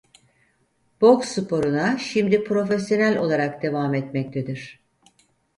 Boks sporuna şimdi profesyonel olarak devam etmektedir.